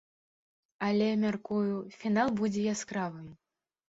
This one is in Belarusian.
Але, мяркую, фінал будзе яскравым.